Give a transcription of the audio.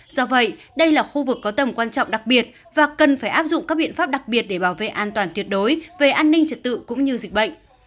do vậy đây là khu vực có tầm quan trọng đặc biệt và cần phải áp dụng các biện pháp đặc biệt để bảo vệ an toàn tuyệt đối về an ninh trật tự cũng như dịch bệnh